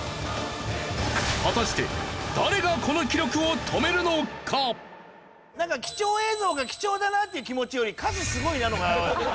果たしてなんか「貴重映像が貴重だな」っていう気持ちより「カズすごい」なのが。